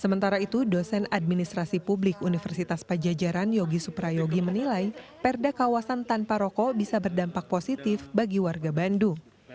sementara itu dosen administrasi publik universitas pajajaran yogi suprayogi menilai perda kawasan tanpa rokok bisa berdampak positif bagi warga bandung